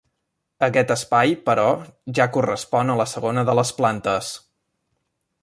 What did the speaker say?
Aquest espai, però, ja correspon a la segona de les plantes.